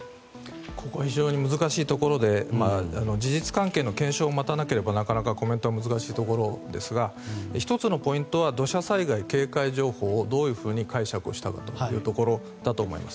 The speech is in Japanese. ここは非常に難しいところで事実関係の検証を待たなければなかなかコメントは難しいところですが１つのポイントは土砂災害警戒情報をどういうふうに解釈をしたかというところだと思います。